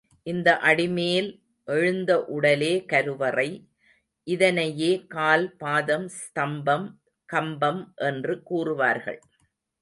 இந்த அடிமேல் எழுந்த உடலே கருவறை, இதனையே கால், பாதம், ஸ்தம்பம், கம்பம் என்று கூறுவார்கள்.